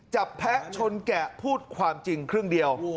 แพะชนแกะพูดความจริงครึ่งเดียว